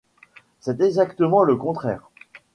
C’est exactement le contraire.